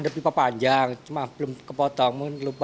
ada pipa panjang cuma belum kepotong mungkin lupa